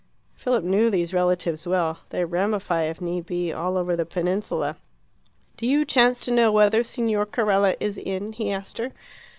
Philip knew these relatives well: they ramify, if need be, all over the peninsula. "Do you chance to know whether Signor Carella is in?" he asked her.